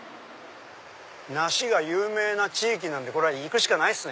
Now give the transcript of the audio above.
梨が有名な地域なんでこれは行くしかないっすね。